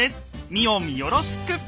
ミオンよろしく！